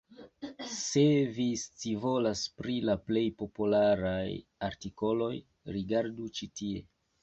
Se vi scivolas pri la plej popularaj artikoloj, rigardu ĉi tie.